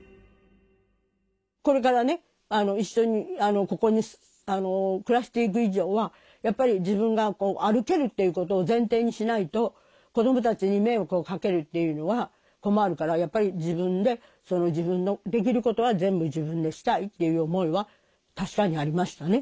これからね一緒にここに暮らしていく以上はやっぱり自分が歩けるっていうことを前提にしないと子供たちに迷惑をかけるっていうのは困るからやっぱり自分で自分のできることは全部自分でしたいっていう思いは確かにありましたね。